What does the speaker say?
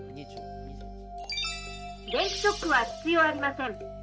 「電気ショックは必要ありません」。